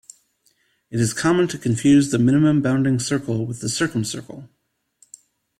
It is common to confuse the minimum bounding circle with the circumcircle.